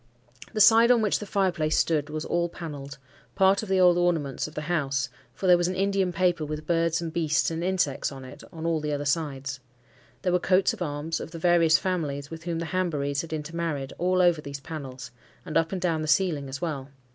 The side on which the fire place stood was all panelled,—part of the old ornaments of the house, for there was an Indian paper with birds and beasts and insects on it, on all the other sides. There were coats of arms, of the various families with whom the Hanburys had intermarried, all over these panels, and up and down the ceiling as well.